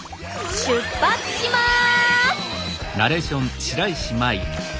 出発します！